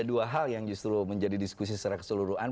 ada dua hal yang justru menjadi diskusi secara keseluruhan